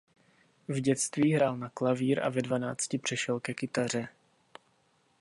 V dětství hrál na klavír a ve dvanácti přešel ke kytaře.